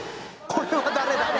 「これは誰だい」